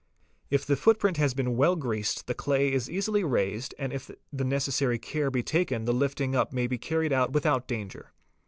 If the footprint has been well greased the clay is easily raised and if the necessary care be taken the lifting up may be carried out without danger.